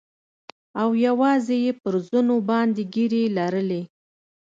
او يوازې يې پر زنو باندې ږيرې لرلې.